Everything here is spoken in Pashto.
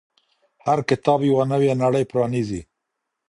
هر کتاب یوه نوې نړۍ پرانیزي.